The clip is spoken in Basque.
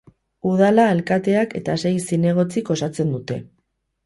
Udala alkateak eta sei zinegotzik osatzen dute.